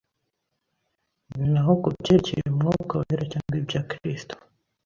Naho kubyerekeye Umwuka Wera cyangwa ibya Kristo